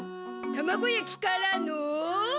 卵焼きからの？